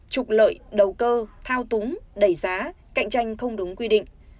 trục lợi đầu cơ thao túng đẩy giá cạnh tranh không đúng quy định